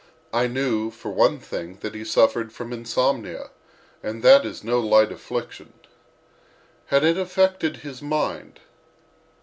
I knew, for one thing, that he suffered from insomnia, and that is no light affliction. Had it affected his mind?